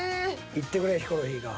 言ってくれヒコロヒーが。